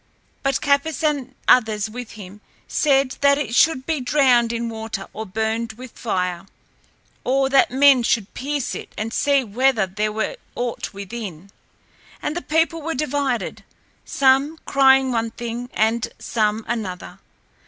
But Capys, and others with him, said that it should be drowned in water or burned with fire, or that men should pierce it and see whether there were aught within. And the people were divided, some crying one thing and some another.